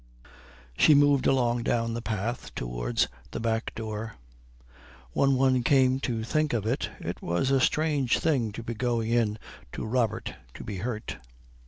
She moved along down the path towards the back door. When one came to think of it it was a strange thing to be going in to Robert to be hurt.